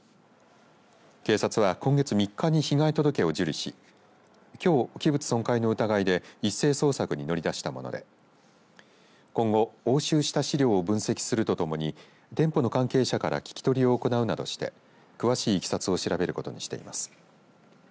警察は今月３日に被害届を受理しきょう器物損壊の疑いで一斉捜索に乗り出したもので今後、押収した資料を分析するとともに店舗の関係者から聞き取りを行うなどして詳しいいきさつを調べることにしています。